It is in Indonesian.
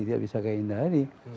tidak bisa kita hindari